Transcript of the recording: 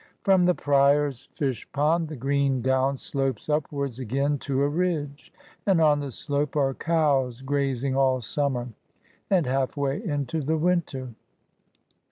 From the Prior's fish pond, the green down slopes upwards again to a ridge ; and on the slope are cows grazing all summer, and half way into the winter.